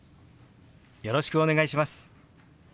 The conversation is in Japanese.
よろしくお願いします。